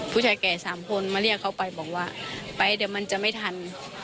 ผู้ชายแก่สามคนมาเรียกเขาไปบอกว่าไปเดี๋ยวมันจะไม่ทัน